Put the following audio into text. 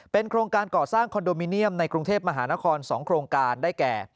โครงการก่อสร้างคอนโดมิเนียมในกรุงเทพมหานคร๒โครงการได้แก่